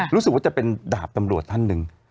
รู้สึกว่าจะเป็นดาบตำรวจท่านหนึ่ง